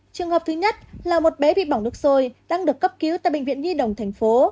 trường hợp thứ nhất là một bé bị bỏng nước sôi đang được cấp cứu tại bệnh viện nhi đồng thành phố